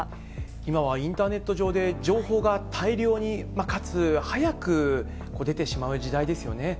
今はインターネット上で情報が大量に、かつ早く出てしまう時代ですよね。